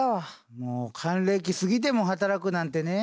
もう還暦過ぎても働くなんてね。